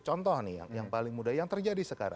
contoh nih yang paling mudah yang terjadi sekarang